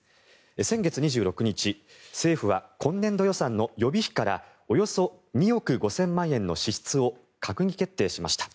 先月２６日政府は今年度予算の予備費からおよそ２億５０００万円の支出を閣議決定しました。